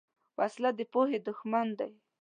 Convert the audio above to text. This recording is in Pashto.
وسله د پوهې دښمن ده